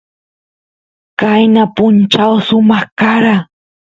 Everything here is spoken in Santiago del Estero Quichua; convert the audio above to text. qayna punchaw sumaq kara